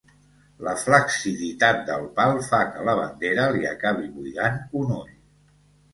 La flacciditat del pal fa que la bandera li acabi buidant un ull.